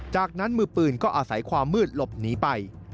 จากนั้นมือปืนก็อาศัยความมืดหลบหนีไป